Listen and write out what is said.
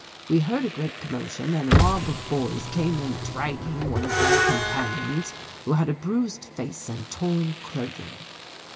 We heard a great commotion and a mob of boys came in dragging one of their companions who had a bruised face and torn clothing.